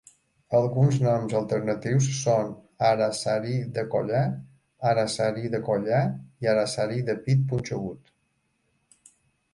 Alguns noms alternatius són araçarí de collar, araçarí de collar i araçarí de pit punxegut.